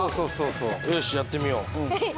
よしやってみよう。